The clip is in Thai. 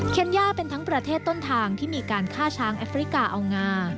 เคนย่าเป็นทั้งประเทศต้นทางที่มีการฆ่าช้างแอฟริกาเอางา